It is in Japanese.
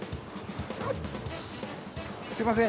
すみません